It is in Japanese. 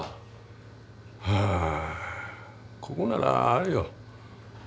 あここならあれよ。